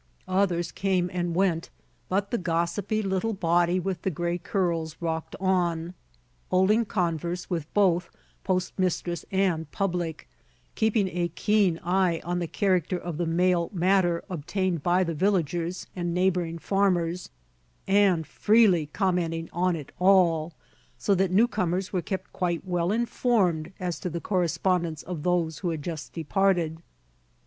Others came and went, but the gossipy little body with the gray curls rocked on, holding converse with both post mistress and public, keeping a keen eye on the character of the mail matter obtained by the villagers and neighboring farmers, and freely commenting on it all; so that new comers were kept quite well informed as to the correspondence of those who had just departed.